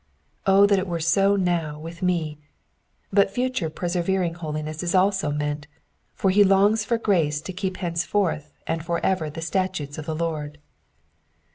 O that it were so now with me : but future persevering holiness is also meant, for he longs for grace to keep henceforth and for evec the statutes of the Lord.